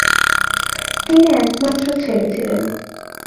তিনি একমাত্র ছেলে ছিলেন।